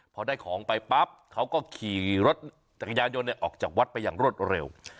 พอได้ของไปปั๊บเขาก็ขี่รถจักรยานยนต์ออกจากวัดไปอย่างรวดเร็ว